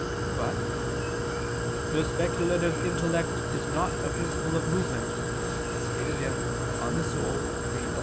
But "the speculative intellect is not a principle of movement"; as stated in De Anima iii, 11.